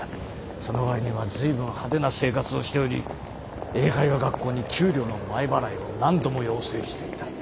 その割には随分派手な生活をしており英会話学校に給料の前払いを何度も要請していた。